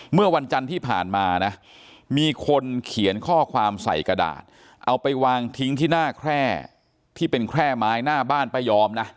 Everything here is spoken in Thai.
เมื่อวันจันทร์ที่ผ่านมานะมีคนเขียนข้อความใส่กระดาษเอาไปวางทิ้งที่หน้าแคร่ที่เป็นแคร่ไม้หน้าบ้านป้ายอมนะ